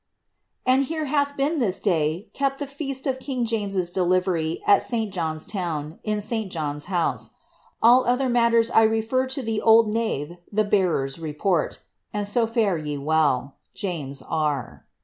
'*And here hath been this day kept the feast of king Jameses delivery at Saint Jobn's town, in St John's House.* AH other matters I refer to the old knave the Jemrers report And so fare ye well. <«Ja»s R."